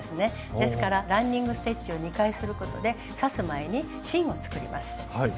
ですからランニング・ステッチを２回することで刺す前に芯を作ります。